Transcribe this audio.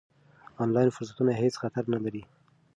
آنلاین فرصتونه هېڅ خطر نه لري.